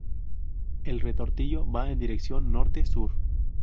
El Retortillo va en dirección Norte-Sur.